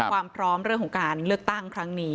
ความพร้อมเรื่องของการเลือกตั้งครั้งนี้